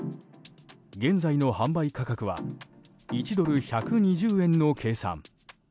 現在の販売価格は１ドル＝１２０円の計算。